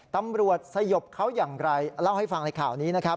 ตำรวจสยบเขาอย่างไรเล่าให้ฟังในข้านี้